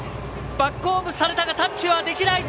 バックホームされたがタッチはできない。